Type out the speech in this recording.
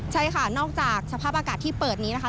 ใช่ค่ะนอกจากสภาพอากาศที่เปิดนี้นะคะ